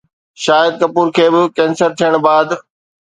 شاهد ڪپور کي به ڪينسر ٿيڻ بعد؟